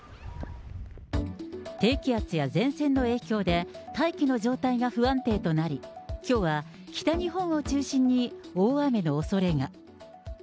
低気圧や前線の影響で、大気の状態が不安定となり、きょうは北日本を中心に大雨のおそれが。